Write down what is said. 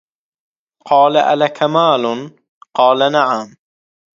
قَالَ أَلَكَ مَالٌ ؟ قَالَ نَعَمْ